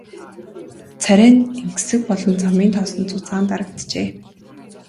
Царай нь энгэсэг болон замын тоосонд зузаан дарагджээ.